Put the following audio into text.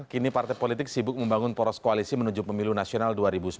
kini partai politik sibuk membangun poros koalisi menuju pemilu nasional dua ribu sembilan belas